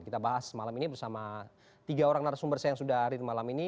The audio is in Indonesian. kita bahas malam ini bersama tiga orang narasumber saya yang sudah hadir malam ini